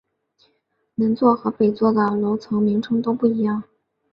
南座和北座的楼层名称都不一样。